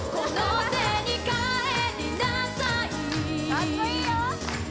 かっこいいよ！